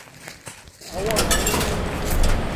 ئەوە ھەڵەیە.